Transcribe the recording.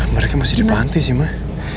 mereka masih di panti sih mah